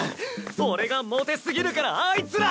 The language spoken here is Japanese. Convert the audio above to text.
俺がモテ過ぎるからあいつら。